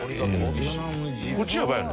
こっちやばいのな。